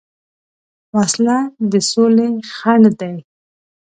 وسله د سولې خنډ ده